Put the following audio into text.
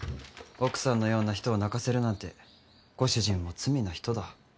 奥さんのような人を泣かせるなんてご主人も罪な人だ。